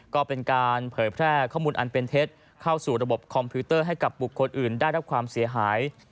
ก็เป็นการเผยแพร่ข้อมูลอันเป็นเท็จเข้าสู่ระบบคอมพิวเตอร์ให้กับบุคคลอื่นได้รับความเสียหาย